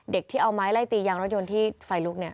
เด็กที่เอาไม้ไล่ตียางรถโยนที่ไฟลุ๊ค